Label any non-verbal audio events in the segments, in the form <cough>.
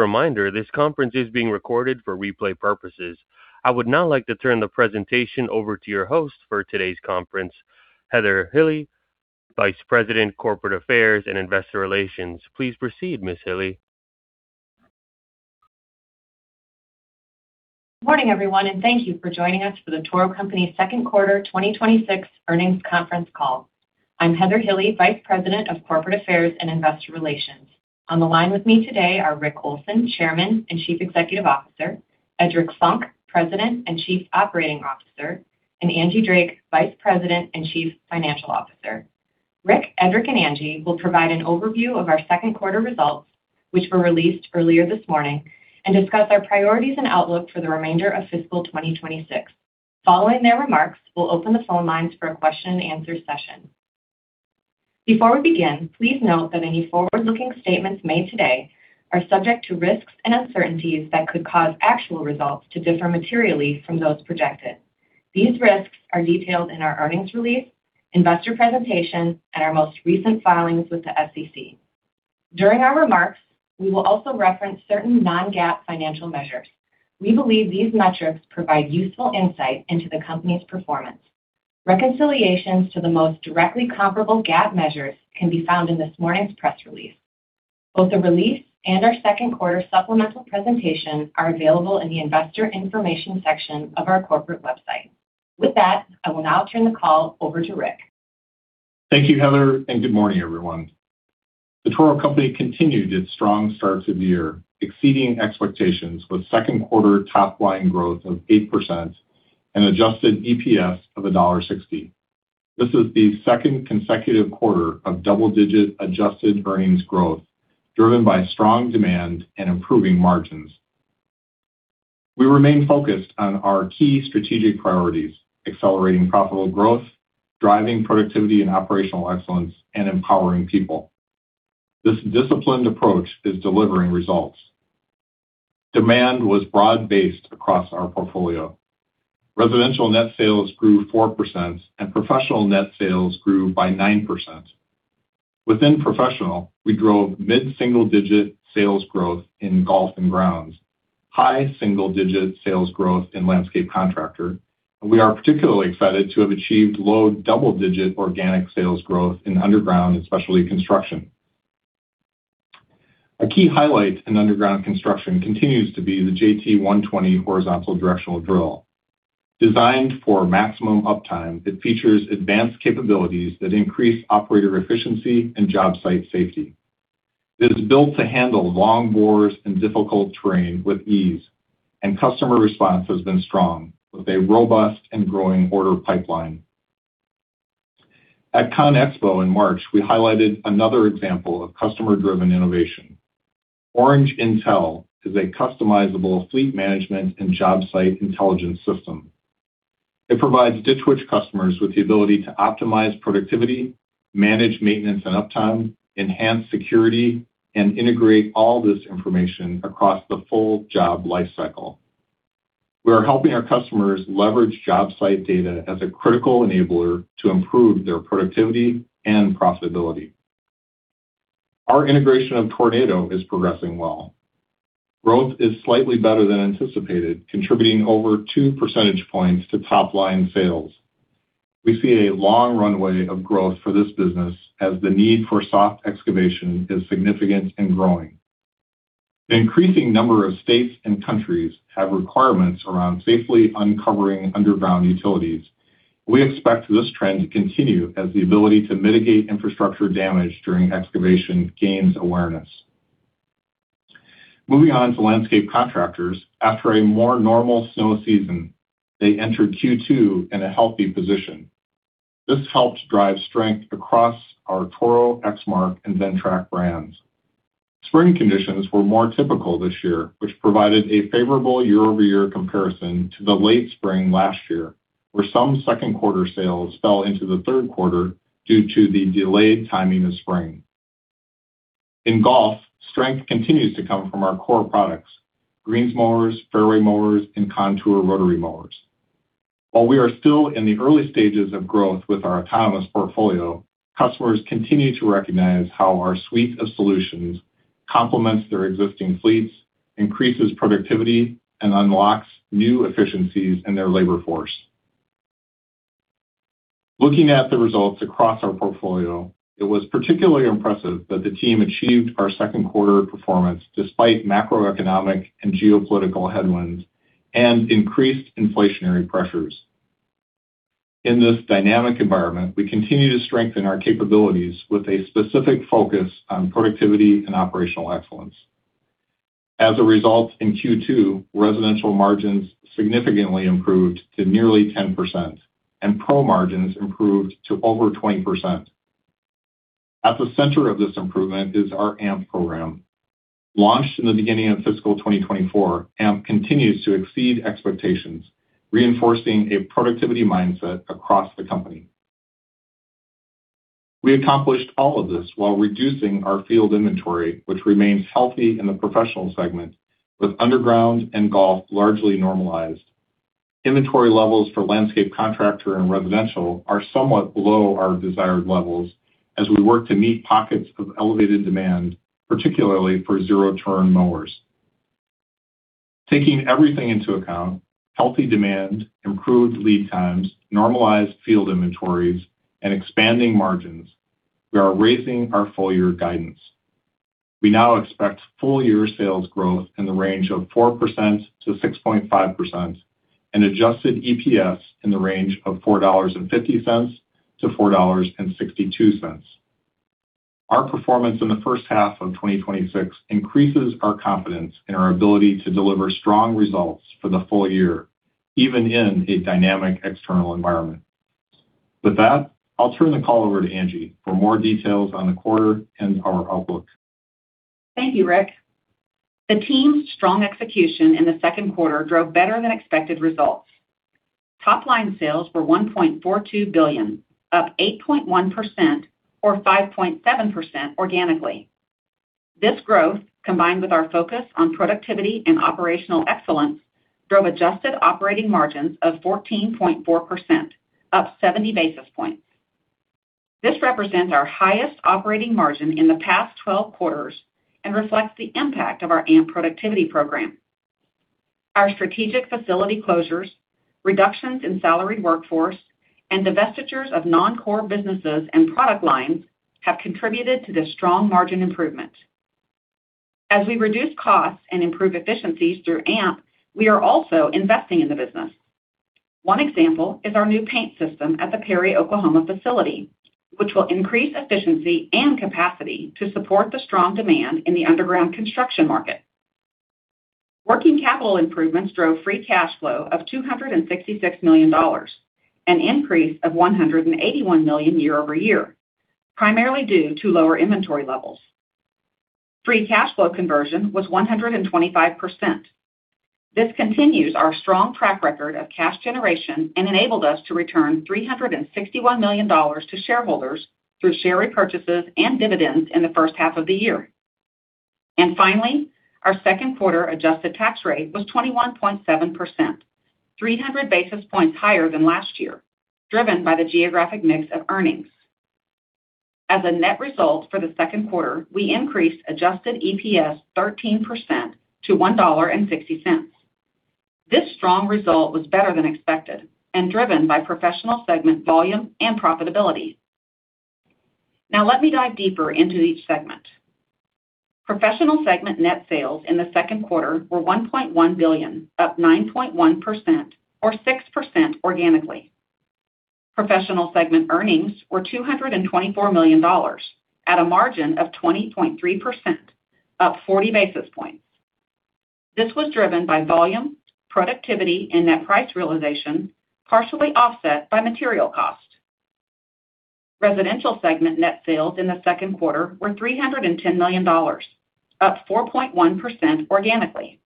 Reminder, this conference is being recorded for replay purposes. I would now like to turn the presentation over to your host for today's conference, Heather Hille, Vice President, Corporate Affairs and Investor Relations. Please proceed, Ms. Hille. Morning, everyone, thank you for joining us for The Toro Company second quarter 2026 earnings conference call. I'm Heather Hille, Vice President of Corporate Affairs and Investor Relations. On the line with me today are Rick Olson, Chairman and Chief Executive Officer, Edric Funk, President and Chief Operating Officer, and Angie Drake, Vice President and Chief Financial Officer. Rick, Edric, and Angie will provide an overview of our second quarter results, which were released earlier this morning, and discuss our priorities and outlook for the remainder of fiscal 2026. Following their remarks, we'll open the phone lines for a question-and-answer session. Before we begin, please note that any forward-looking statements made today are subject to risks and uncertainties that could cause actual results to differ materially from those projected. These risks are detailed in our earnings release, investor presentation, and our most recent filings with the SEC. During our remarks, we will also reference certain non-GAAP financial measures. We believe these metrics provide useful insight into the company's performance. Reconciliations to the most directly comparable GAAP measures can be found in this morning's press release. Both the release and our second quarter supplemental presentation are available in the investor information section of our corporate website. With that, I will now turn the call over to Rick. Thank you, Heather. Good morning, everyone. The Toro Company continued its strong start to the year, exceeding expectations with second quarter top line growth of 8% and adjusted EPS of $1.60. This is the second consecutive quarter of double-digit adjusted earnings growth, driven by strong demand and improving margins. We remain focused on our key strategic priorities: accelerating profitable growth, driving productivity and operational excellence, and empowering people. This disciplined approach is delivering results. Demand was broad-based across our portfolio. Residential net sales grew 4%. Professional net sales grew by 9%. Within professional, we drove mid-single-digit sales growth in golf and grounds, high single-digit sales growth in landscape contractor. We are particularly excited to have achieved low double-digit organic sales growth in underground and specialty construction. A key highlight in underground construction continues to be the JT120 horizontal directional drill. Designed for maximum uptime, it features advanced capabilities that increase operator efficiency and job site safety. It is built to handle long bores and difficult terrain with ease, and customer response has been strong, with a robust and growing order pipeline. At CONEXPO in March, we highlighted another example of customer-driven innovation. Orange Intel is a customizable fleet management and job site intelligence system. It provides Ditch Witch customers with the ability to optimize productivity, manage maintenance and uptime, enhance security, and integrate all this information across the full job lifecycle. We are helping our customers leverage job site data as a critical enabler to improve their productivity and profitability. Our integration of Tornado is progressing well. Growth is slightly better than anticipated, contributing over 2 percentage points to top-line sales. We see a long runway of growth for this business as the need for soft excavation is significant and growing. An increasing number of states and countries have requirements around safely uncovering underground utilities. We expect this trend to continue as the ability to mitigate infrastructure damage during excavation gains awareness. Moving on to landscape contractors. After a more normal snow season, they entered Q2 in a healthy position. This helped drive strength across our Toro, Exmark and Ventrac brands. Spring conditions were more typical this year, which provided a favorable year-over-year comparison to the late spring last year, where some second quarter sales fell into the third quarter due to the delayed timing of spring. In golf, strength continues to come from our core products: greens mowers, fairway mowers and contour rotary mowers. While we are still in the early stages of growth with our autonomous portfolio, customers continue to recognize how our suite of solutions complements their existing fleets, increases productivity, and unlocks new efficiencies in their labor force. Looking at the results across our portfolio, it was particularly impressive that the team achieved our second quarter performance despite macroeconomic and geopolitical headwinds and increased inflationary pressures. In this dynamic environment, we continue to strengthen our capabilities with a specific focus on productivity and operational excellence. As a result, in Q2, residential margins significantly improved to nearly 10%, and pro margins improved to over 20%. At the center of this improvement is our AMP program. Launched in the beginning of fiscal 2024, AMP continues to exceed expectations, reinforcing a productivity mindset across the company. We accomplished all of this while reducing our field inventory, which remains healthy in the professional segment, with underground and golf largely normalized. Inventory levels for landscape contractor and residential are somewhat below our desired levels as we work to meet pockets of elevated demand, particularly for zero-turn mowers. Taking everything into account, healthy demand, improved lead times, normalized field inventories, and expanding margins, we are raising our full-year guidance. We now expect full-year sales growth in the range of 4%-6.5% and adjusted EPS in the range of $4.50-$4.62. Our performance in the first half of 2026 increases our confidence in our ability to deliver strong results for the full year, even in a dynamic external environment. With that, I'll turn the call over to Angie for more details on the quarter and our outlook. Thank you, Rick. The team's strong execution in the second quarter drove better-than-expected results. Top-line sales were $1.42 billion, up 8.1% or 5.7% organically. This growth, combined with our focus on productivity and operational excellence, drove adjusted operating margins of 14.4%, up 70 basis points. This represents our highest operating margin in the past 12 quarters and reflects the impact of our AMP productivity program. Our strategic facility closures, reductions in salaried workforce, and divestitures of non-core businesses and product lines have contributed to this strong margin improvement. As we reduce costs and improve efficiencies through AMP, we are also investing in the business. One example is our new paint system at the Perry, Oklahoma facility, which will increase efficiency and capacity to support the strong demand in the underground construction market. Working capital improvements drove free cash flow of $266 million, an increase of $181 million year-over-year, primarily due to lower inventory levels. Free cash flow conversion was 125%. This continues our strong track record of cash generation and enabled us to return $361 million to shareholders through share repurchases and dividends in the first half of the year. Finally, our second quarter adjusted tax rate was 21.7%, 300 basis points higher than last year, driven by the geographic mix of earnings. As a net result for the second quarter, we increased adjusted EPS 13% to $1.60. This strong result was better than expected and driven by professional segment volume and profitability. Now let me dive deeper into each segment. Professional segment net sales in the second quarter were $1.1 billion, up 9.1% or 6% organically. Professional segment earnings were $224 million at a margin of 20.3%, up 40 basis points. This was driven by volume, productivity, and net price realization, partially offset by material cost. Residential segment net sales in the second quarter were $310 million, up 4.1% organically.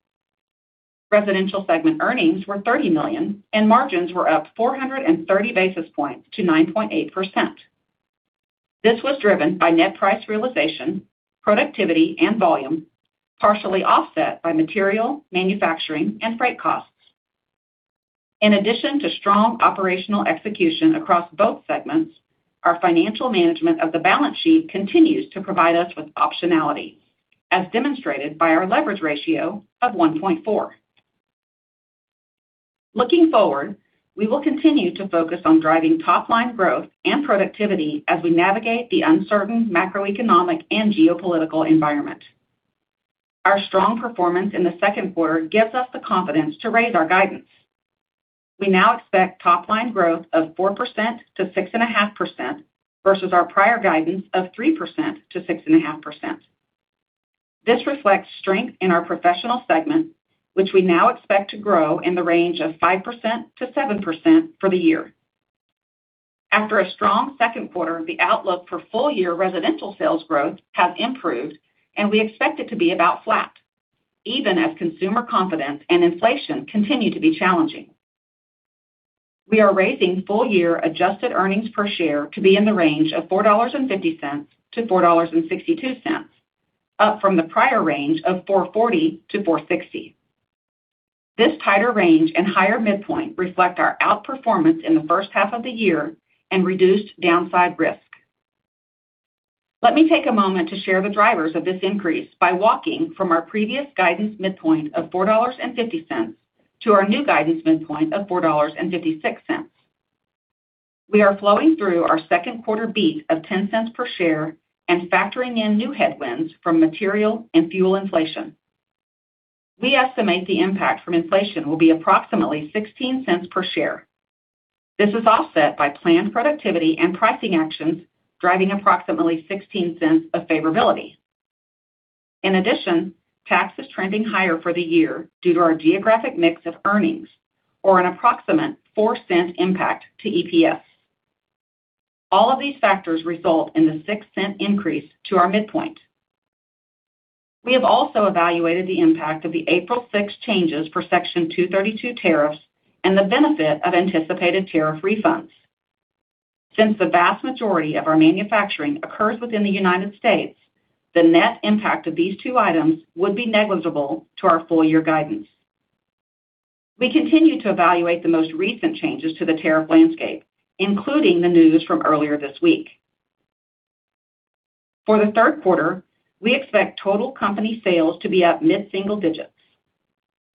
Residential segment earnings were $30 million, and margins were up 430 basis points to 9.8%. This was driven by net price realization, productivity, and volume, partially offset by material, manufacturing, and freight costs. In addition to strong operational execution across both segments, our financial management of the balance sheet continues to provide us with optionality, as demonstrated by our leverage ratio of 1.4x. Looking forward, we will continue to focus on driving top-line growth and productivity as we navigate the uncertain macroeconomic and geopolitical environment. Our strong performance in the second quarter gives us the confidence to raise our guidance. We now expect top-line growth of 4%-6.5%, versus our prior guidance of 3%-6.5%. This reflects strength in our professional segment, which we now expect to grow in the range of 5%-7% for the year. After a strong second quarter, the outlook for full-year residential sales growth have improved, and we expect it to be about flat even as consumer confidence and inflation continue to be challenging. We are raising full-year adjusted earnings per share to be in the range of $4.50-$4.62, up from the prior range of $4.40-$4.60. This tighter range and higher midpoint reflect our outperformance in the first half of the year and reduced downside risk. Let me take a moment to share the drivers of this increase by walking from our previous guidance midpoint of $4.50 to our new guidance midpoint of $4.56. We are flowing through our second quarter beat of $0.10 per share and factoring in new headwinds from material and fuel inflation. We estimate the impact from inflation will be approximately $0.16 per share. This is offset by planned productivity and pricing actions, driving approximately $0.16 of favorability. In addition, tax is trending higher for the year due to our geographic mix of earnings or an approximate $0.04 impact to EPS. All of these factors result in the $0.06 increase to our midpoint. We have also evaluated the impact of the April 6 changes for Section 232 tariffs and the benefit of anticipated tariff refunds. Since the vast majority of our manufacturing occurs within the United States, the net impact of these two items would be negligible to our full-year guidance. We continue to evaluate the most recent changes to the tariff landscape, including the news from earlier this week. For the third quarter, we expect total company sales to be up mid-single digits.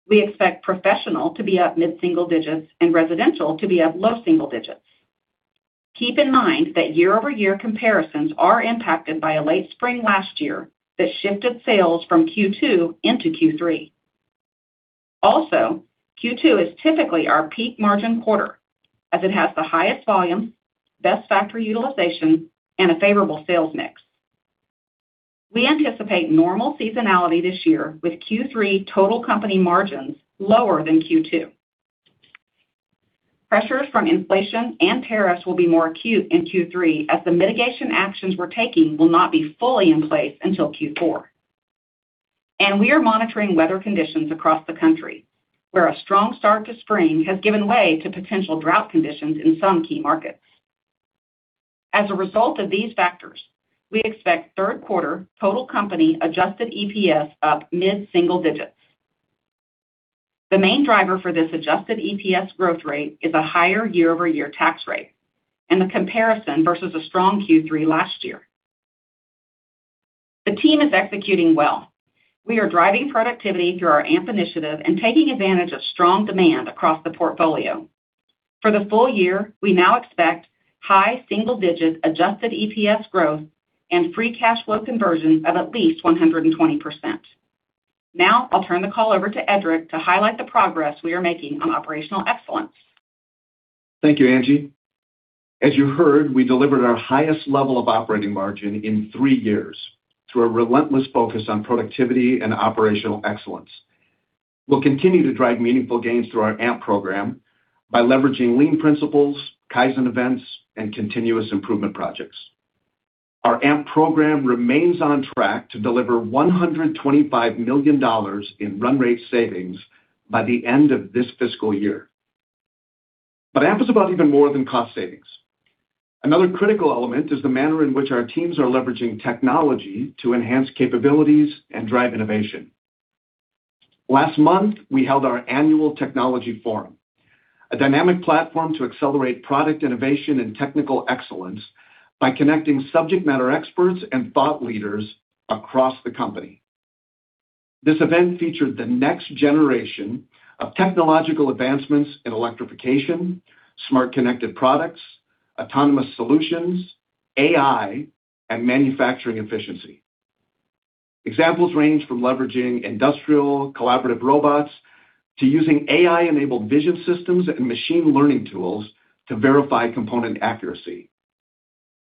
We expect professional to be up mid-single digits and residential to be up low single digits. Keep in mind that year-over-year comparisons are impacted by a late spring last year that shifted sales from Q2 into Q3. Also, Q2 is typically our peak margin quarter as it has the highest volume, best factory utilization, and a favorable sales mix. We anticipate normal seasonality this year with Q3 total company margins lower than Q2. Pressures from inflation and tariffs will be more acute in Q3 as the mitigation actions we're taking will not be fully in place until Q4. We are monitoring weather conditions across the country, where a strong start to spring has given way to potential drought conditions in some key markets. As a result of these factors, we expect third quarter total company adjusted EPS up mid-single digits. The main driver for this adjusted EPS growth rate is a higher year-over-year tax rate and the comparison versus a strong Q3 last year. The team is executing well. We are driving productivity through our AMP Initiative and taking advantage of strong demand across the portfolio. For the full year, we now expect high single-digit adjusted EPS growth and free cash flow conversion of at least 120%. I'll turn the call over to Edric to highlight the progress we are making on operational excellence. Thank you, Angie. As you heard, we delivered our highest level of operating margin in three years through a relentless focus on productivity and operational excellence. We'll continue to drive meaningful gains through our AMP program by leveraging lean principles, Kaizen events, and continuous improvement projects. Our AMP program remains on track to deliver $125 million in run rate savings by the end of this fiscal year. AMP is about even more than cost savings. Another critical element is the manner in which our teams are leveraging technology to enhance capabilities and drive innovation. Last month, we held our annual technology forum, a dynamic platform to accelerate product innovation and technical excellence by connecting subject matter experts and thought leaders across the company. This event featured the next generation of technological advancements in electrification, smart connected products, autonomous solutions, AI, and manufacturing efficiency. Examples range from leveraging industrial collaborative robots to using AI-enabled vision systems and machine learning tools to verify component accuracy.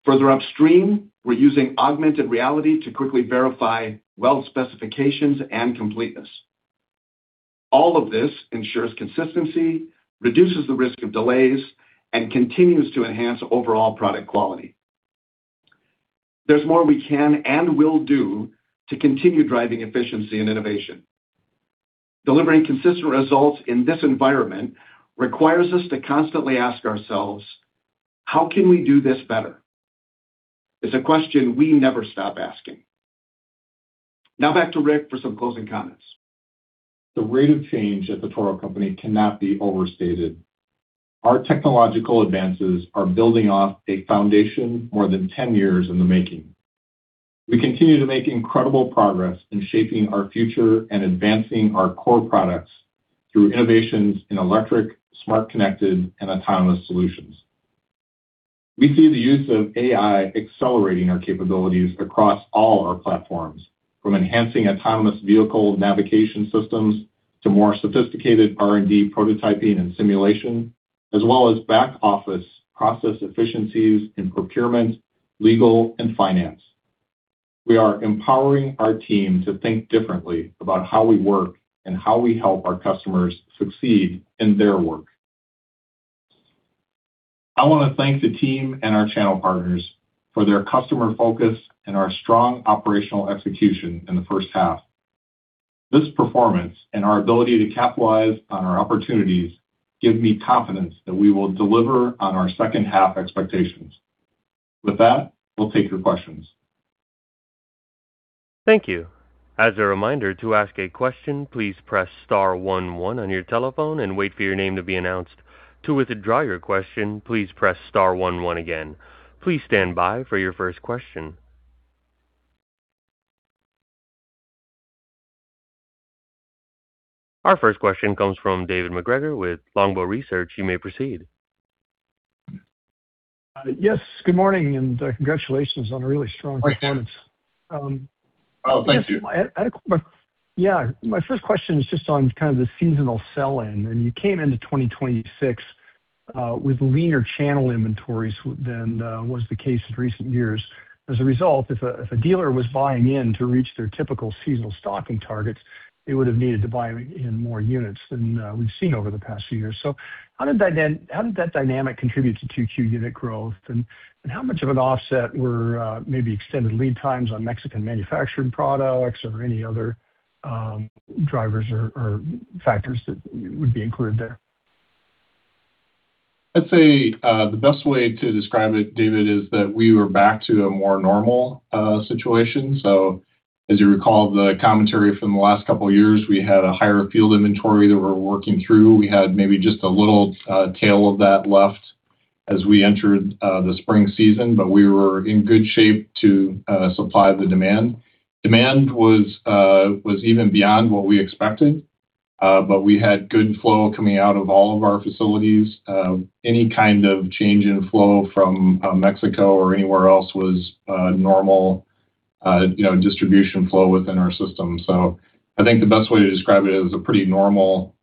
Further upstream, we're using augmented reality to quickly verify weld specifications and completeness. All of this ensures consistency, reduces the risk of delays, and continues to enhance overall product quality. There's more we can and will do to continue driving efficiency and innovation. Delivering consistent results in this environment requires us to constantly ask ourselves, "How can we do this better?" It's a question we never stop asking. Now back to Rick for some closing comments. The rate of change at The Toro Company cannot be overstated. Our technological advances are building off a foundation more than 10 years in the making. We continue to make incredible progress in shaping our future and advancing our core products through innovations in electric, smart, connected, and autonomous solutions. We see the use of AI accelerating our capabilities across all our platforms, from enhancing autonomous vehicle navigation systems to more sophisticated R&D prototyping and simulation, as well as back-office process efficiencies in procurement, legal, and finance. We are empowering our team to think differently about how we work and how we help our customers succeed in their work. I want to thank the team and our channel partners for their customer focus and our strong operational execution in the first half. This performance and our ability to capitalize on our opportunities give me confidence that we will deliver on our second-half expectations. With that, we'll take your questions. Thank you. As a reminder, to ask a question, please press star one one on your telephone and wait for your name to be announced. To withdraw your question, please press star one one again. Please stand by for your first question. Our first question comes from David MacGregor with Longbow Research. You may proceed. Yes, good morning, and congratulations on a really strong performance. Oh, thank you. Yeah. My first question is just on kind of the seasonal sell-in. You came into 2026 with leaner channel inventories than was the case in recent years. As a result, if a dealer was buying in to reach their typical seasonal stocking targets, they would have needed to buy in more units than we've seen over the past few years. How did that dynamic contribute to 2Q unit growth? How much of an offset were maybe extended lead times on Mexican manufacturing products or any other drivers or factors that would be included there? I'd say the best way to describe it, David, is that we were back to a more normal situation. As you recall the commentary from the last couple of years, we had a higher field inventory that we were working through. We had maybe just a little tail of that left as we entered the spring season, we were in good shape to supply the demand. Demand was even beyond what we expected. We had good flow coming out of all of our facilities. Any kind of change in flow from Mexico or anywhere else was normal distribution flow within our system. I think the best way to describe it is a pretty normal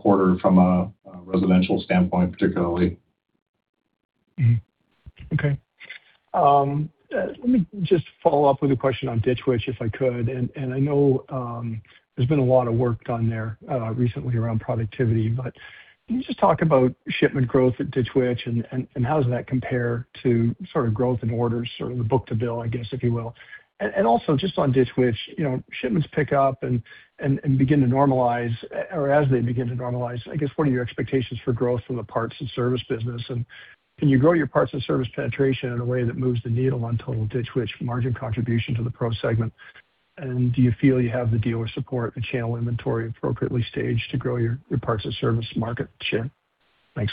quarter from a residential standpoint, particularly. Okay. Let me just follow up with a question on Ditch Witch, if I could. I know there's been a lot of work done there recently around productivity, can you just talk about shipment growth at Ditch Witch and how does that compare to growth in orders, the book to bill, I guess, if you will. Also just on Ditch Witch, shipments pick up and begin to normalize, or as they begin to normalize, I guess, what are your expectations for growth from the parts and service business, and can you grow your parts and service penetration in a way that moves the needle on total Ditch Witch margin contribution to the pro segment? Do you feel you have the dealer support and channel inventory appropriately staged to grow your parts and service market share? Thanks.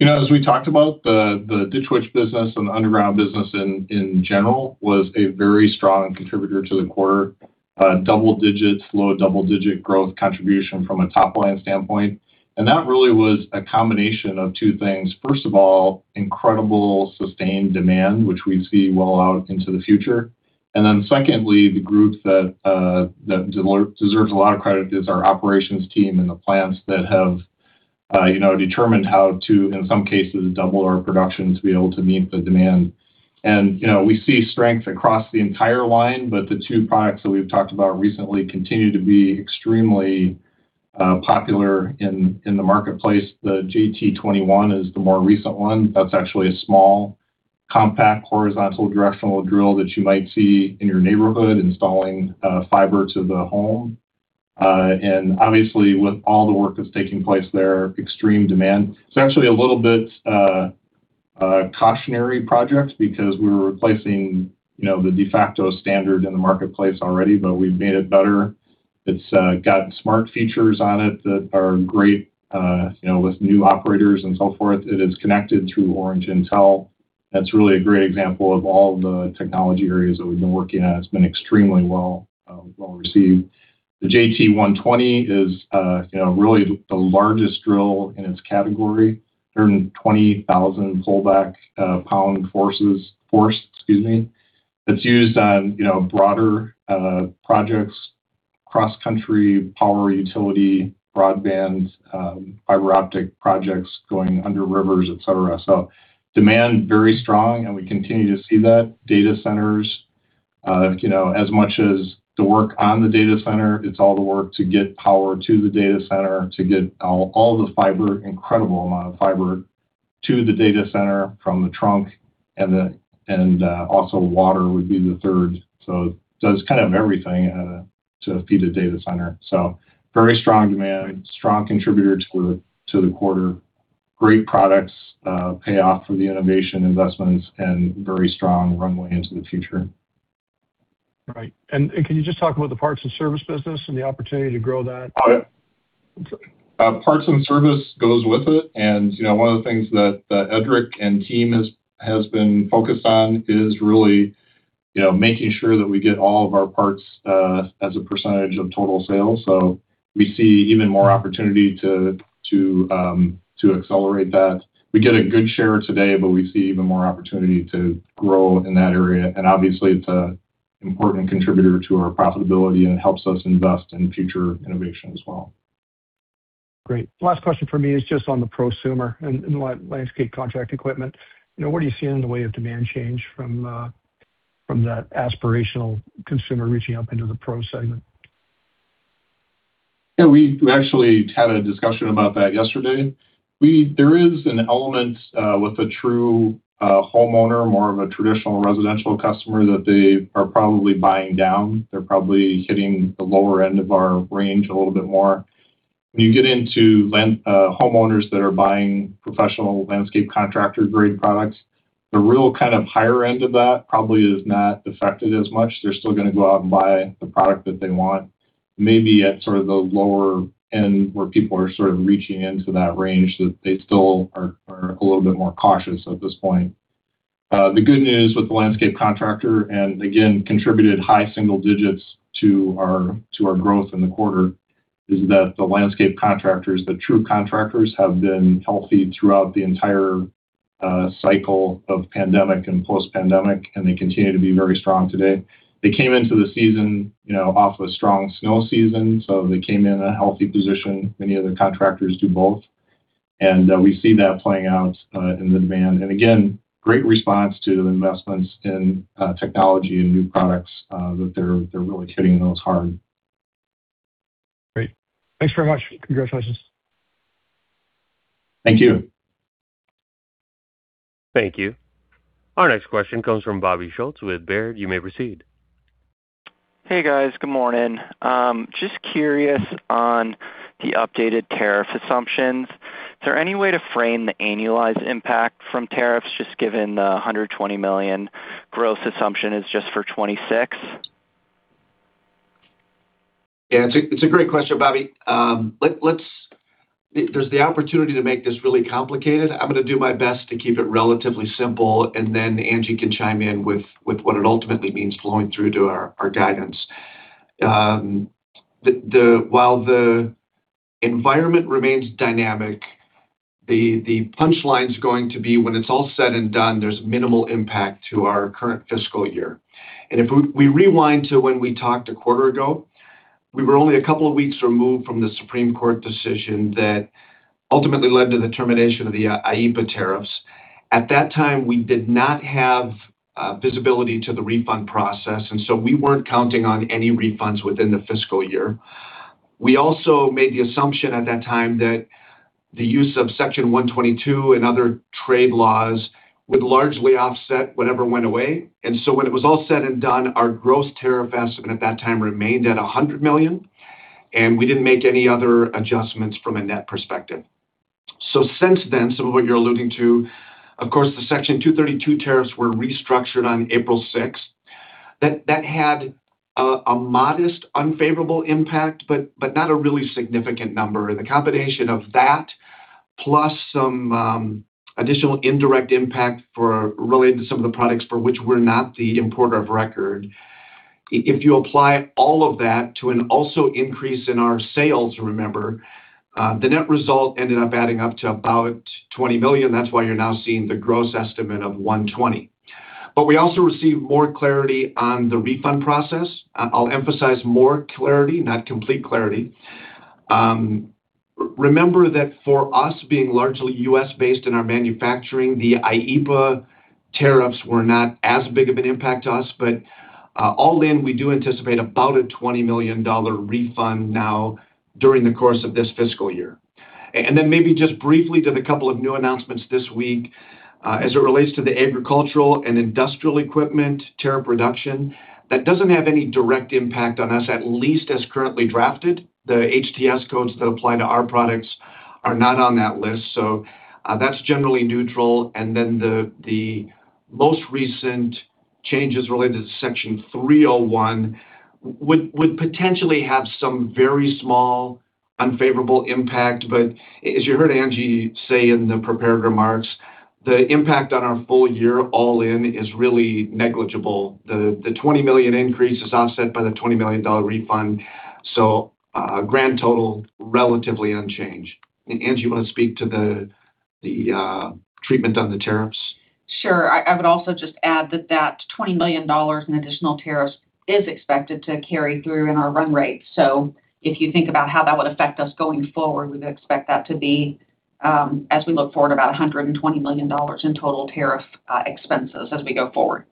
As we talked about the Ditch Witch business and the underground business in general, was a very strong contributor to the quarter. Double digits, low double-digit growth contribution from a top-line standpoint. That really was a combination of two things. First of all, incredible sustained demand, which we see well out into the future. Then secondly, the group that deserves a lot of credit is our operations team and the plants that have determined how to, in some cases, double our production to be able to meet the demand. We see strength across the entire line, but the two products that we've talked about recently continue to be extremely popular in the marketplace. The JT21 is the more recent one. That's actually a small, compact, horizontal directional drill that you might see in your neighborhood installing fiber to the home. Obviously with all the work that's taking place there, extreme demand. It's actually a little bit cautionary project because we're replacing the de facto standard in the marketplace already, but we've made it better. It's got smart features on it that are great with new operators and so forth. It is connected through Orange Intel. That's really a great example of all the technology areas that we've been working at. It's been extremely well received. The JT120 is really the largest drill in its category. 120,000 pullback pound force, excuse me. It's used on broader projects, cross-country power utility, broadband, fiber optic projects going under rivers, et cetera. Demand very strong and we continue to see that. Data centers, as much as the work on the data center, it's all the work to get power to the data center, to get all the fiber, incredible amount of fiber, to the data center from the trunk, and also water would be the third. It does kind of everything to feed the data center. Very strong demand, strong contributor to the quarter. Great products pay off for the innovation investments and very strong runway into the future. Right. Can you just talk about the parts and service business and the opportunity to grow that? Oh, yeah. I'm sorry. Parts and service goes with it. One of the things that Edric and team has been focused on is really making sure that we get all of our parts as a percentage of total sales. We see even more opportunity to accelerate that. We get a good share today, but we see even more opportunity to grow in that area. Obviously it's an important contributor to our profitability and helps us invest in future innovation as well. Great. Last question from me is just on the prosumer and landscape contract equipment. What are you seeing in the way of demand change from that aspirational consumer reaching up into the pro segment? Yeah, we actually had a discussion about that yesterday. There is an element with a true homeowner, more of a traditional residential customer, that they are probably buying down. They're probably hitting the lower end of our range a little bit more. When you get into homeowners that are buying professional landscape contractor grade products, the real kind of higher end of that probably is not affected as much. They're still going to go out and buy the product that they want. Maybe at sort of the lower end where people are sort of reaching into that range, that they still are a little bit more cautious at this point. The good news with the landscape contractor, and again, contributed high single digits to our growth in the quarter, is that the landscape contractors, the true contractors, have been healthy throughout the entire cycle of pandemic and post-pandemic, and they continue to be very strong today. They came into the season off a strong snow season, so they came in a healthy position. Many of the contractors do both, and we see that playing out in the demand. Great response to the investments in technology and new products that they're really hitting those hard. Great. Thanks very much. Congratulations. Thank you. Thank you. Our next question comes from Bobby Schultz with Baird. You may proceed. Hey, guys. Good morning. Just curious on the updated tariff assumptions. Is there any way to frame the annualized impact from tariffs, just given the $120 million gross assumption is just for 2026? Yeah, it's a great question, Bobby. There's the opportunity to make this really complicated. I'm gonna do my best to keep it relatively simple, and then Angie can chime in with what it ultimately means flowing through to our guidance. While the environment remains dynamic, the punchline's going to be, when it's all said and done, there's minimal impact to our current fiscal year. If we rewind to when we talked a quarter ago, we were only a couple of weeks removed from the Supreme Court decision that ultimately led to the termination of the IEEPA tariffs. At that time, we did not have visibility to the refund process, and so we weren't counting on any refunds within the fiscal year. We also made the assumption at that time that the use of Section 122 and other trade laws would largely offset whatever went away. When it was all said and done, our gross tariff estimate at that time remained at $100 million, and we didn't make any other adjustments from a net perspective. Since then, some of what you're alluding to, of course, the Section 232 tariffs were restructured on April 6th. That had a modest, unfavorable impact, but not a really significant number. The combination of that, plus some additional indirect impact related to some of the products for which we're not the importer of record. If you apply all of that to an also increase in our sales, remember, the net result ended up adding up to about $20 million. That's why you're now seeing the gross estimate of $120 million. We also received more clarity on the refund process. I'll emphasize more clarity, not complete clarity. Remember that for us, being largely U.S.-based in our manufacturing, the IEEPA tariffs were not as big of an impact to us. All in, we do anticipate about a $20 million refund now during the course of this fiscal year. Maybe just briefly to the couple of new announcements this week. As it relates to the agricultural and industrial equipment tariff reduction, that doesn't have any direct impact on us, at least as currently drafted. The HTS codes that apply to our products are not on that list, that's generally neutral. The most recent changes related to Section 301 would potentially have some very small unfavorable impact. As you heard Angie say in the prepared remarks, the impact on our full year all in is really negligible. The $20 million increase is offset by the $20 million refund, grand total, relatively unchanged. Angie, you want to speak to the treatment on the tariffs? Sure. I would also just add that that $20 million in additional tariffs is expected to carry through in our run rate. If you think about how that would affect us going forward, we'd expect that to be, as we look forward, about $120 million in total tariff expenses as we go forward.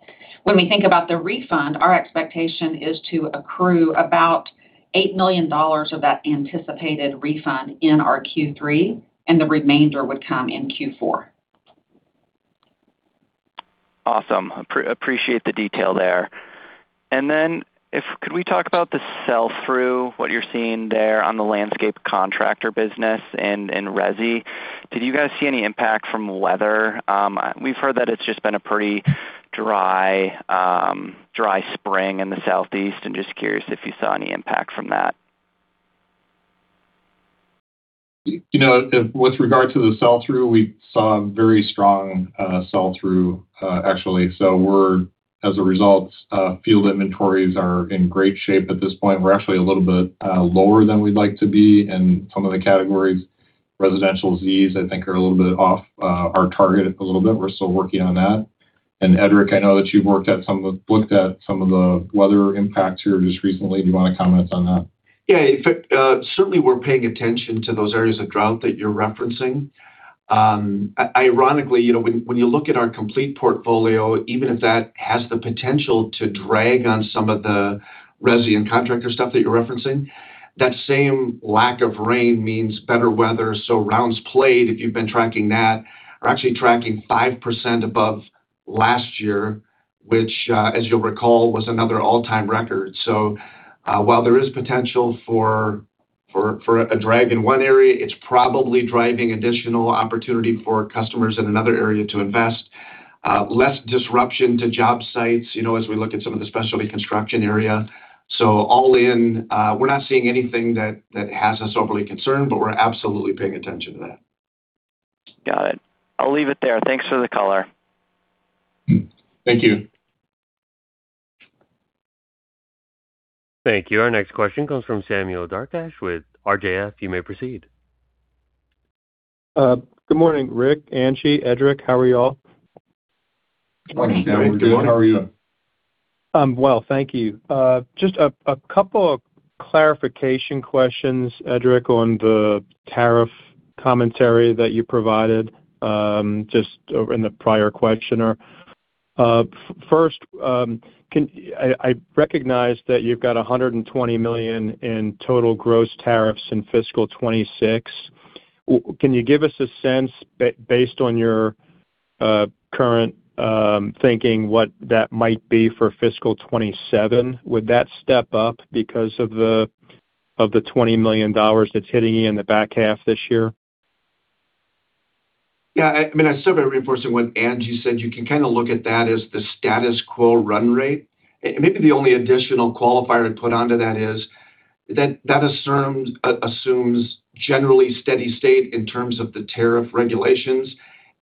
When we think about the refund, our expectation is to accrue about $8 million of that anticipated refund in our Q3, and the remainder would come in Q4. Awesome. Appreciate the detail there. Then could we talk about the sell-through, what you're seeing there on the landscape contractor business and resi? Did you guys see any impact from weather? We've heard that it's just been a pretty dry spring in the Southeast, and just curious if you saw any impact from that. With regard to the sell-through, we saw very strong sell-through, actually. As a result, field inventories are in great shape at this point. We're actually a little bit lower than we'd like to be in some of the categories. Residential Zs, I think, are a little bit off our target a little bit. We're still working on that. Edric, I know that you've looked at some of the weather impacts here just recently. Do you want to comment on that? Certainly, we're paying attention to those areas of drought that you're referencing. Ironically, when you look at our complete portfolio, even if that has the potential to drag on some of the resi and contractor stuff that you're referencing, that same lack of rain means better weather. Rounds played, if you've been tracking that, are actually tracking 5% above last year, which, as you'll recall, was another all-time record. While there is potential for a drag in one area, it's probably driving additional opportunity for customers in another area to invest. Less disruption to job sites, as we look at some of the specialty construction area. All in, we're not seeing anything that has us overly concerned, but we're absolutely paying attention to that. Got it. I'll leave it there. Thanks for the color. Thank you. Thank you. Our next question comes from Samuel Darkatsh with RJF. You may proceed. Good morning, Rick, Angie, Edric. How are y'all? Morning, Sam. We're good. How are you? I'm well, thank you. Just a couple of clarification questions, Edric, on the tariff commentary that you provided just in the prior questioner. First, I recognize that you've got $120 million in total gross tariffs in fiscal 2026. Can you give us a sense, based on your current thinking, what that might be for fiscal 2027? Would that step up because of the $20 million that's hitting you in the back half this year? Yeah, I still got to reinforce what Angie said. You can look at that as the status quo run rate. Maybe the only additional qualifier I'd put onto that is that assumes generally steady state in terms of the tariff regulations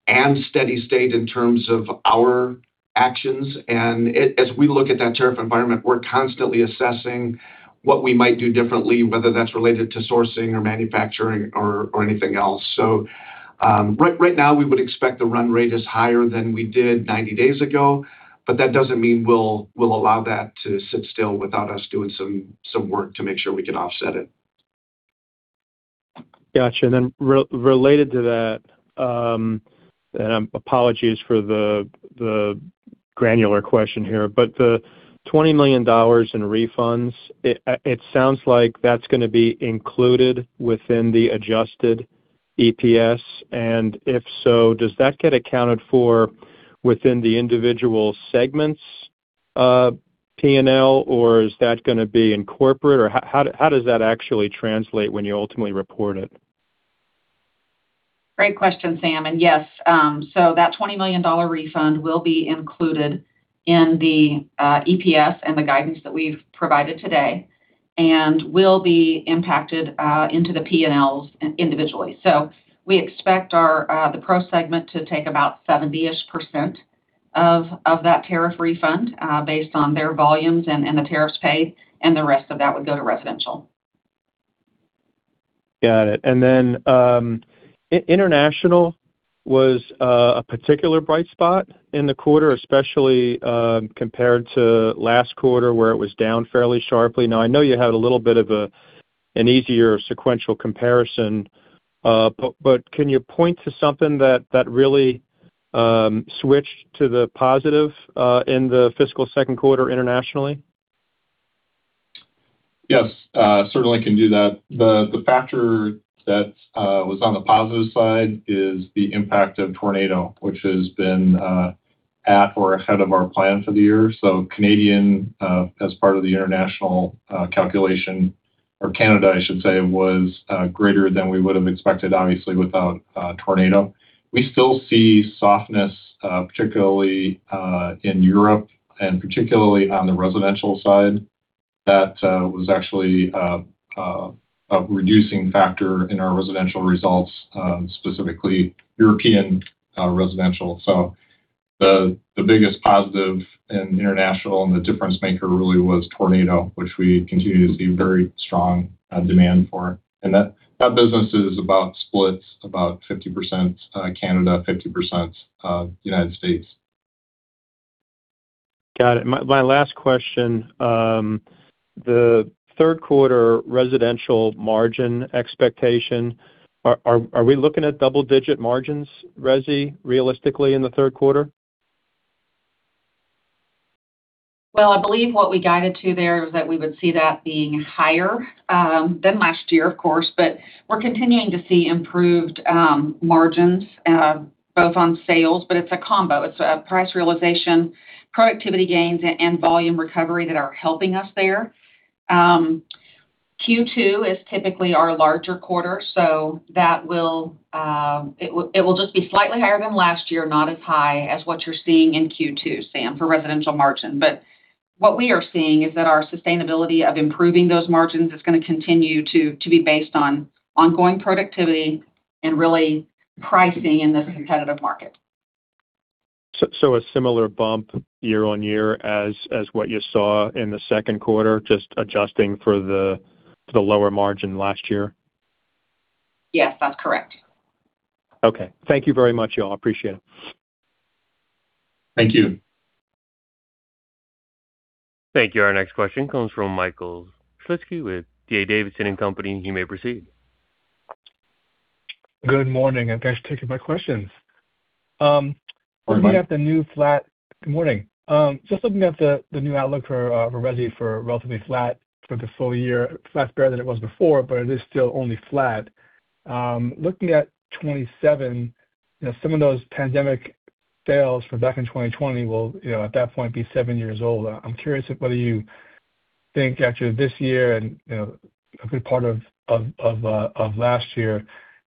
and steady state in terms of our actions. As we look at that tariff environment, we're constantly assessing what we might do differently, whether that's related to sourcing or manufacturing or anything else. Right now we would expect the run rate is higher than we did 90 days ago, but that doesn't mean we'll allow that to sit still without us doing some work to make sure we can offset it. Got you. Related to that, apologies for the granular question here, the $20 million in refunds, it sounds like that's going to be included within the adjusted EPS. If so, does that get accounted for within the individual segments of P&L, or is that going to be in corporate? How does that actually translate when you ultimately report it? Great question, Sam, and yes. That $20 million refund will be included in the EPS and the guidance that we've provided today and will be impacted into the P&Ls individually. We expect the pro segment to take about 70%-ish of that tariff refund, based on their volumes and the tariffs paid, and the rest of that would go to residential. Got it. International was a particular bright spot in the quarter, especially compared to last quarter, where it was down fairly sharply. I know you had a little bit of an easier sequential comparison. Can you point to something that really switched to the positive in the fiscal second quarter internationally? Yes. Certainly can do that. The factor that was on the positive side is the impact of Tornado, which has been at or ahead of our plan for the year. Canadian, as part of the international calculation, or Canada, I should say, was greater than we would have expected, obviously, without Tornado. We still see softness, particularly in Europe and particularly on the residential side. That was actually a reducing factor in our residential results, specifically European residential. The biggest positive in international and the difference maker really was Tornado, which we continue to see very strong demand for. That business is about split, about 50% Canada, 50% United States. Got it. My last question. The third quarter residential margin expectation, are we looking at double-digit margins, resi, realistically in the third quarter? Well, I believe what we guided to there is that we would see that being higher than last year, of course. We're continuing to see improved margins both on sales, but it's a combo. It's a price realization, productivity gains, and volume recovery that are helping us there. Q2 is typically our larger quarter, so it will just be slightly higher than last year, not as high as what you're seeing in Q2, Sam, for residential margin. What we are seeing is that our sustainability of improving those margins is going to continue to be based on ongoing productivity and really pricing in this competitive market. A similar bump year-on-year as what you saw in the second quarter, just adjusting for the lower margin last year? Yes, that's correct. Okay. Thank you very much, y'all. I appreciate it. Thank you. Thank you. Thank you. Our next question comes from Michael Shlisky with D.A. Davidson & Co. You may proceed. Good morning, and thanks for taking my questions. Good morning. Good morning. Just looking at the new outlook for resi for relatively flat for the full year. Flat's better than it was before. It is still only flat. Looking at 2027, some of those pandemic sales from back in 2020 will, at that point, be seven years old. I'm curious whether you think after this year and a good part of last year,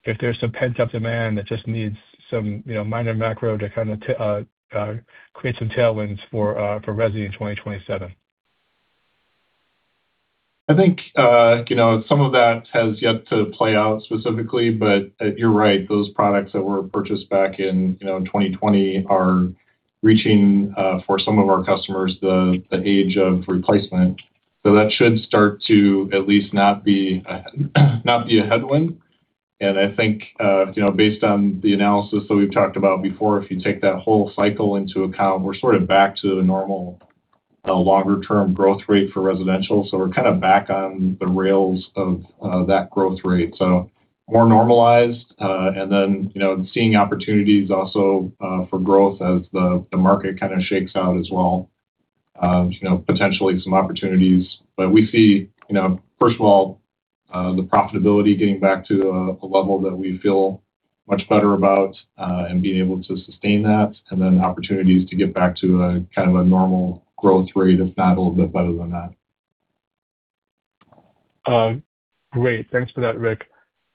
if there's some pent-up demand that just needs some minor macro to create some tailwinds for resi in 2027. I think some of that has yet to play out specifically. You're right, those products that were purchased back in 2020 are reaching, for some of our customers, the age of replacement. That should start to at least not be a headwind. I think based on the analysis that we've talked about before, if you take that whole cycle into account, we're sort of back to normal, a longer-term growth rate for residential. We're kind of back on the rails of that growth rate. More normalized, seeing opportunities also for growth as the market kind of shakes out as well, potentially some opportunities. We see, first of all, the profitability getting back to a level that we feel much better about, and being able to sustain that, and then opportunities to get back to a normal growth rate, if not a little bit better than that. Great. Thanks for that, Rick.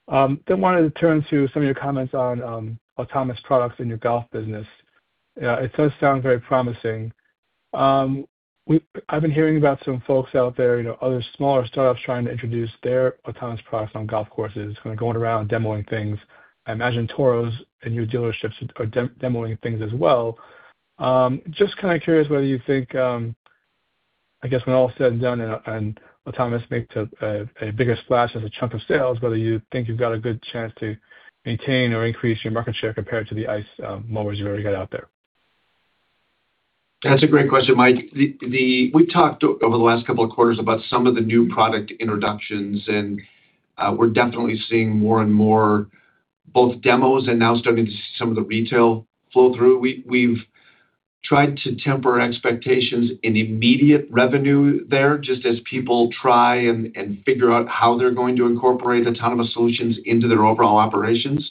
I wanted to turn to some of your comments on autonomous products in your golf business. It does sound very promising. I've been hearing about some folks out there, other smaller startups trying to introduce their autonomous products on golf courses, kind of going around demoing things. I imagine Toro's and your dealerships are demoing things as well. I am just kind of curious whether you think, I guess when all is said and done and autonomous makes a bigger splash as a chunk of sales, whether you think you've got a good chance to maintain or increase your market share compared to the ICE mowers you already got out there. That's a great question, Mike. We talked over the last couple of quarters about some of the new product introductions, and we're definitely seeing more and more both demos and now starting to see some of the retail flow through. We've tried to temper expectations in immediate revenue there, just as people try and figure out how they're going to incorporate autonomous solutions into their overall operations.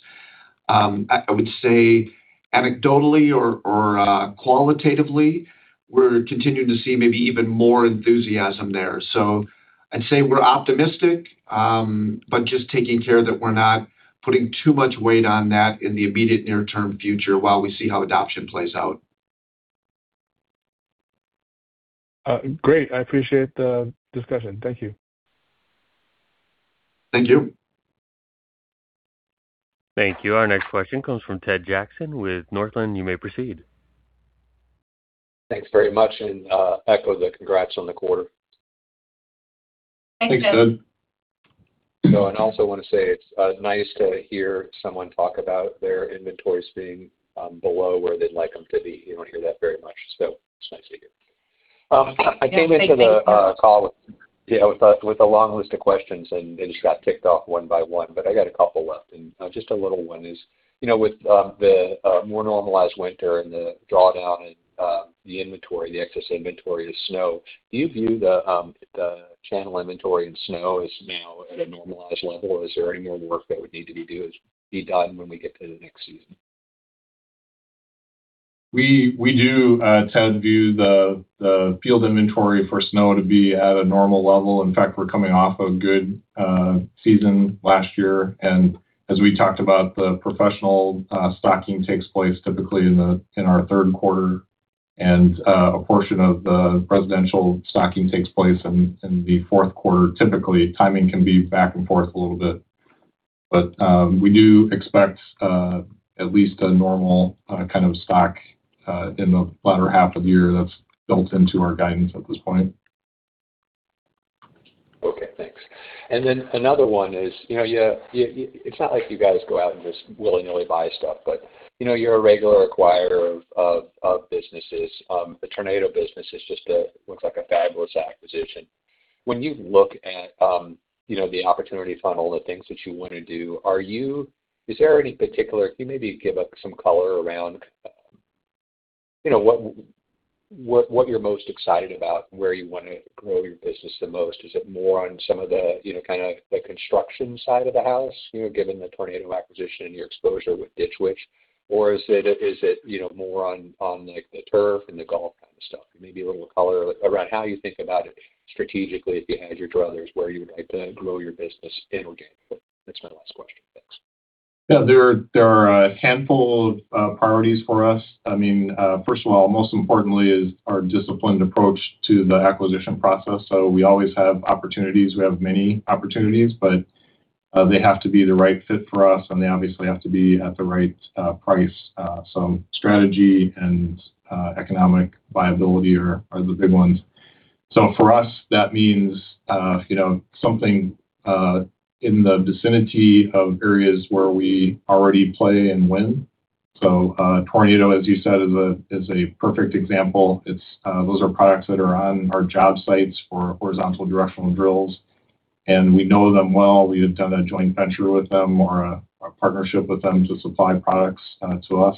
I would say anecdotally or qualitatively, we're continuing to see maybe even more enthusiasm there. I'd say we're optimistic, but just taking care that we're not putting too much weight on that in the immediate near-term future while we see how adoption plays out. Great. I appreciate the discussion. Thank you. Thank you. Thank you. Our next question comes from Ted Jackson with Northland. You may proceed. Thanks very much, and echo the congrats on the quarter. Thanks, Ted. Thanks, Ted. Also want to say it's nice to hear someone talk about their inventories being below where they'd like them to be. You don't hear that very much, so it's nice to hear. Yeah. I came into the call with a long list of questions and they just got ticked off one by one. I got a couple left, and just a little one is, with the more normalized winter and the drawdown in the inventory, the excess inventory of snow, do you view the channel inventory in snow is now at a normalized level? Or is there any more work that would need to be done when we get to the next season? We do, Ted, view the field inventory for snow to be at a normal level. In fact, we're coming off a good season last year. As we talked about, the professional stocking takes place typically in our third quarter, and a portion of the residential stocking takes place in the fourth quarter, typically. Timing can be back and forth a little bit. We do expect at least a normal kind of stock in the latter half of the year that's built into our guidance at this point. Okay, thanks. Another one is, it's not like you guys go out and just willy-nilly buy stuff, but you're a regular acquirer of businesses. The Tornado business just looks like a fabulous acquisition. When you look at the opportunity funnel of things that you want to do, can you maybe give some color around what you're most excited about and where you want to grow your business the most? Is it more on some of the construction side of the house, given the Tornado acquisition and your exposure with Ditch Witch? Is it more on the turf and the golf kind of stuff? Maybe a little color around how you think about it strategically, if you had your druthers, where you would like to grow your business in organic. That's my last question. Thanks. Yeah. There are a handful of priorities for us. First of all, most importantly is our disciplined approach to the acquisition process. We always have opportunities. We have many opportunities, but they have to be the right fit for us, and they obviously have to be at the right price. Strategy and economic viability are the big ones. For us, that means something in the vicinity of areas where we already play and win. Tornado, as you said, is a perfect example. Those are products that are on our job sites for horizontal directional drills. We know them well. We have done a joint venture with them or a partnership with them to supply products to us.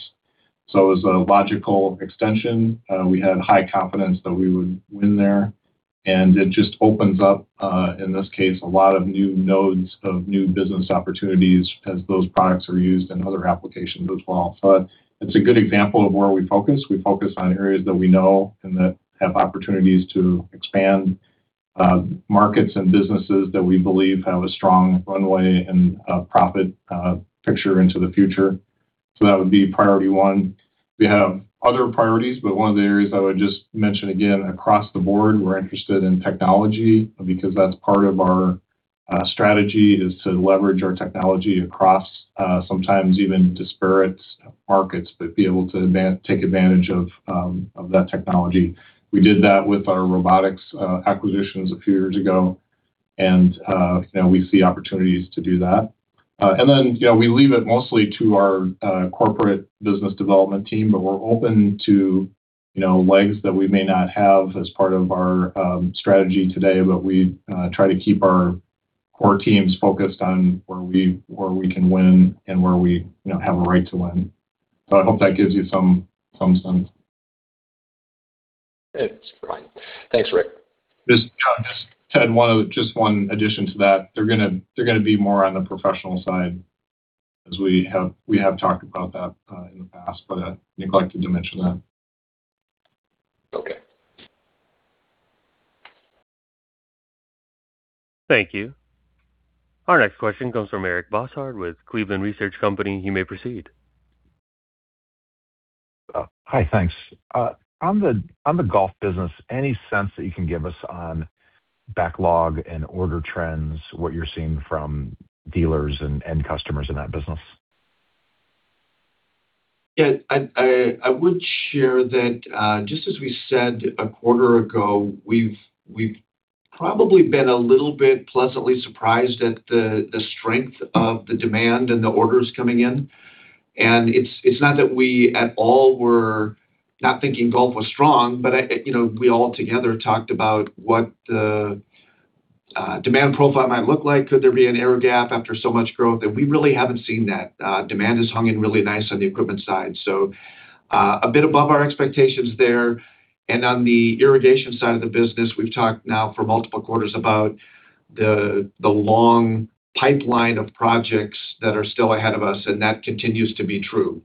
It was a logical extension. We had high confidence that we would win there. It just opens up, in this case, a lot of new nodes of new business opportunities as those products are used in other applications as well. It's a good example of where we focus. We focus on areas that we know and that have opportunities to expand markets and businesses that we believe have a strong runway and profit picture into the future. That would be priority one. We have other priorities, but one of the areas I would just mention, again, across the board, we're interested in technology because that's part of our strategy is to leverage our technology across sometimes even disparate markets, but be able to take advantage of that technology. We did that with our robotics acquisitions a few years ago. We see opportunities to do that. We leave it mostly to our corporate business development team, but we're open to legs that we may not have as part of our strategy today. We try to keep our core teams focused on where we can win and where we have a right to win. I hope that gives you some sense. It's fine. Thanks, Rick. This. <audio distortion> Just one addition to that. They're going to be more on the professional side as we have talked about that in the past, but I neglected to mention that. Okay. Thank you. Our next question comes from Eric Bosshard with Cleveland Research Company. You may proceed. Hi, thanks. On the golf business, any sense that you can give us on backlog and order trends, what you're seeing from dealers and end customers in that business? I would share that, just as we said a quarter ago, we've probably been a little bit pleasantly surprised at the strength of the demand and the orders coming in, and it's not that we at all were not thinking golf was strong, but we all together talked about what the demand profile might look like. Could there be an air gap after so much growth? We really haven't seen that. Demand has hung in really nice on the equipment side. A bit above our expectations there. On the irrigation side of the business, we've talked now for multiple quarters about the long pipeline of projects that are still ahead of us, and that continues to be true.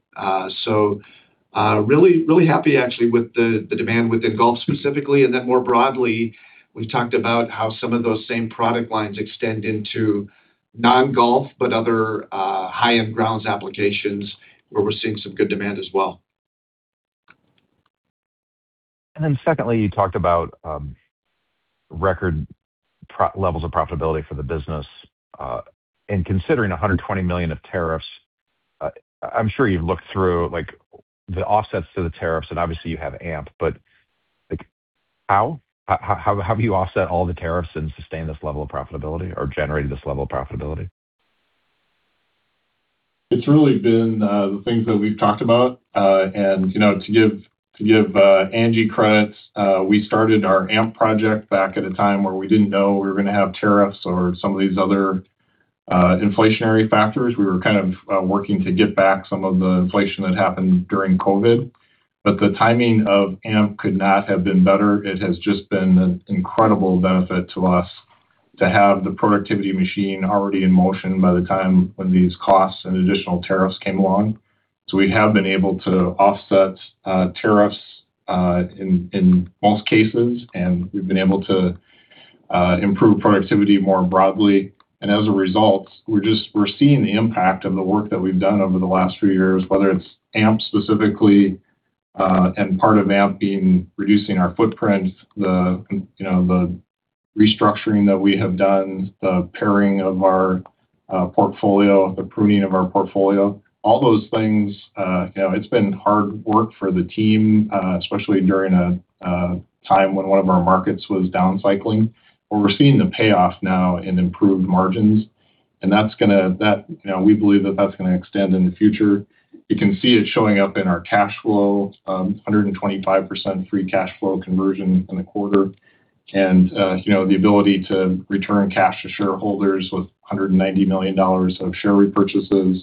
Really happy actually with the demand within golf specifically. More broadly, we've talked about how some of those same product lines extend into non-golf, but other high-end grounds applications where we're seeing some good demand as well. Secondly, you talked about record levels of profitability for the business. Considering $120 million of tariffs, I'm sure you've looked through the offsets to the tariffs and obviously you have AMP, but how do you offset all the tariffs and sustain this level of profitability or generate this level of profitability? It's really been the things that we've talked about. To give Angie credit, we started our AMP project back at a time where we didn't know we were going to have tariffs or some of these other inflationary factors. We were kind of working to get back some of the inflation that happened during COVID. The timing of AMP could not have been better. It has just been an incredible benefit to us to have the productivity machine already in motion by the time when these costs and additional tariffs came along. We have been able to offset tariffs in most cases, and we've been able to improve productivity more broadly. As a result, we're seeing the impact of the work that we've done over the last few years, whether it's AMP specifically, and part of AMP being reducing our footprint, the restructuring that we have done, the pairing of our portfolio, the pruning of our portfolio, all those things. It's been hard work for the team, especially during a time when one of our markets was down cycling, but we're seeing the payoff now in improved margins. We believe that's going to extend in the future. You can see it showing up in our cash flow, 125% free cash flow conversion in the quarter. The ability to return cash to shareholders with $190 million of share repurchases,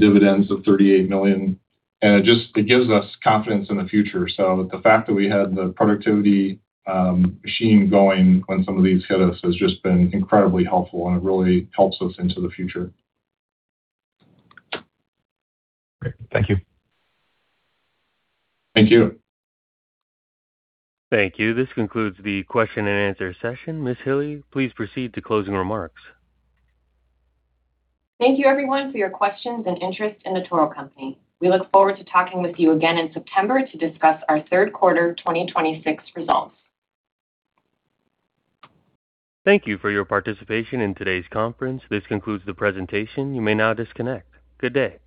dividends of $38 million. It gives us confidence in the future. The fact that we had the productivity machine going when some of these hit us has just been incredibly helpful, and it really helps us into the future. Great. Thank you. Thank you. Thank you. This concludes the question-and-answer session. Ms. Hille, please proceed to closing remarks. Thank you everyone for your questions and interest in The Toro Company. We look forward to talking with you again in September to discuss our third quarter 2026 results. Thank you for your participation in today's conference. This concludes the presentation. You may now disconnect. Good day.